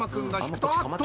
あっと！